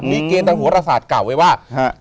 มีเกณฑ์ทางโหรศาสตร์กล่าวไว้ว่า